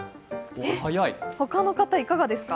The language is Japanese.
他の方いかがですか？